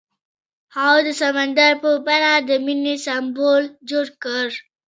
هغه د سمندر په بڼه د مینې سمبول جوړ کړ.